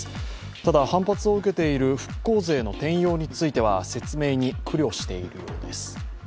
ただ、反発を受けている復興税の転用については説明に苦慮しているようです。